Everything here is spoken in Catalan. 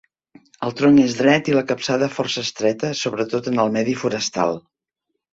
El tronc és dret i la capçada força estreta, sobretot en medi forestal.